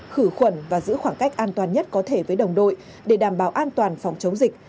khử khuẩn và giữ khoảng cách an toàn nhất có thể với đồng đội để đảm bảo an toàn phòng chống dịch